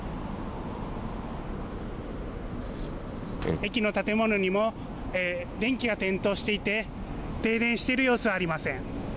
駅の建物にも電気が点灯していて停電している様子はありません。